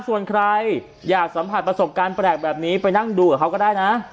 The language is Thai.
ส่วนใครอยากสัมผัสประสบการณ์แปลกแบบนี้ไปนั่งดูกับเขาก็ได้นะ